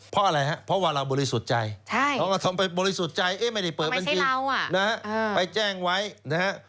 เพราะอะไรฮะเพราะว่าเราบริสุทธิ์ใจน้องอาตอมไปบริสุทธิ์ใจเอ๊ะไม่ได้เปิดบัญชีนะฮะไปแจ้งไว้นะฮะ